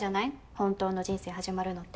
本当の人生始まるのって。